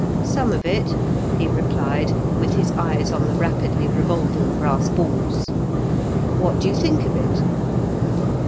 " Some of it;* he repHed, with his eyes on the rapidly revolving brass balls. " What do you think of it